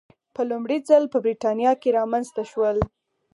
په لومړي ځل په برېټانیا کې رامنځته شول.